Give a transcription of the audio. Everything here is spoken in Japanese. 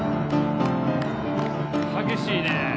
激しいね。